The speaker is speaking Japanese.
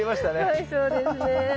はいそうですね。